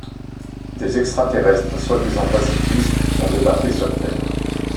Des extraterrestres soi-disant pacifistes ont débarqué sur Terre.